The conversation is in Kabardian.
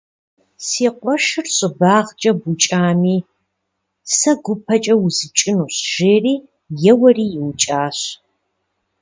Си къуэшыр щӀыбагъкӀэ букӀами сэ гупэкӀэ узукӀынущ, жери, еуэри иукӀыжащ.